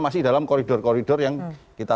masih dalam koridor koridor yang kita